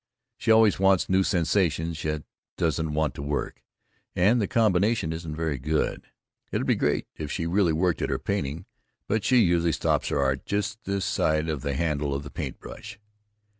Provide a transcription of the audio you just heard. She always wants new sensations yet doesn't want to work, and the combination isn't very good. It'd be great if she really worked at her painting, but she usually stops her art just this side of the handle of a paint brush.